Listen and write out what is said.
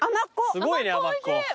すごいね甘っこ。